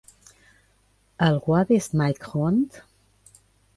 Algú ha vist Mike Hunt?